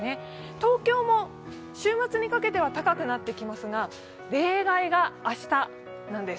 東京も週末にかけては高くなってきますが、例外が明日なんです。